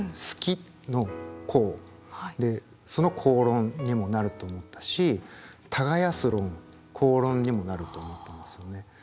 好きの好でその好論にもなると思ったし耕す論耕論にもなると思ったんですよね。